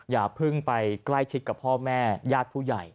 อย่าเพิ่งไปใกล้ชิดกับพ่อแม่ญาติผู้ใหญ่